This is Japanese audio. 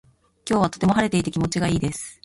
今日はとても晴れていて気持ちがいいです。